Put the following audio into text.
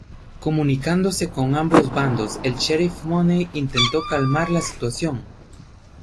Comunicándose con ambos bandos, el sheriff Mooney intentó calmar la situación.